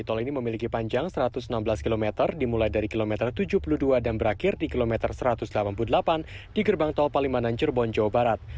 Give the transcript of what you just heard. tol ini memiliki panjang satu ratus enam belas km dimulai dari kilometer tujuh puluh dua dan berakhir di kilometer satu ratus delapan puluh delapan di gerbang tol palimanan cirebon jawa barat